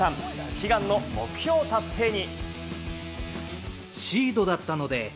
悲願の目標達成に。